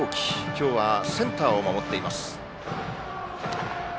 今日はセンターを守っています。